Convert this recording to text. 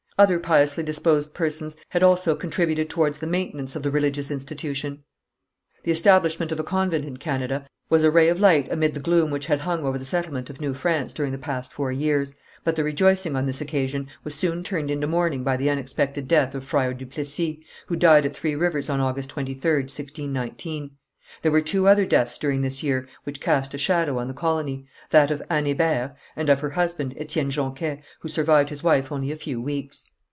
Other piously disposed persons had also contributed towards the maintenance of the religious institution. The establishment of a convent in Canada was a ray of light amid the gloom which had hung over the settlement of New France during the past four years, but the rejoicing on this occasion was soon turned into mourning by the unexpected death of Friar du Plessis, who died at Three Rivers on August 23rd, 1619. There were two other deaths during this year which cast a shadow on the colony, that of Anne Hébert, and of her husband, Étienne Jonquest, who survived his wife only a few weeks.